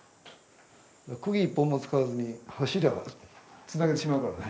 釘１本も使わずに柱繋げてしまうからね。